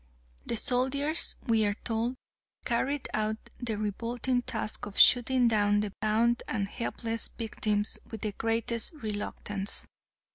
The soldiers, we are told, carried out their revolting task of shooting down the bound and helpless victims with the greatest reluctance.